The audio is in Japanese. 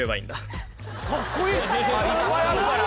いっぱいあるから？